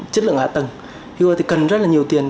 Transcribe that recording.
chất lượng hạ tầng thì có thể cần rất là nhiều tiền